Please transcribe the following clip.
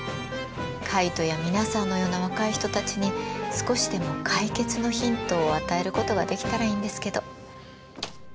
カイトや皆さんのような若い人たちに少しでも解決のヒントを与えることができたらいいんですけど。